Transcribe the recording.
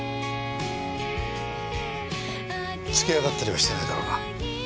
つけ上がったりはしてないだろうな。